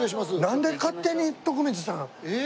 なんで勝手に徳光さん。